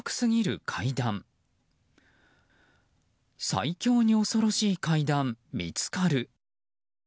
最強に恐ろしい階段、見つかる。